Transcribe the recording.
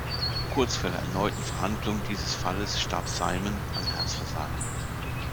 Kurz vor der erneuten Verhandlung dieses Falles starb Simon an Herzversagen.